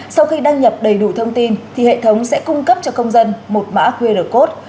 sau khi đăng nhập đầy đủ thông tin thì hệ thống sẽ cung cấp cho công dân một mã qr code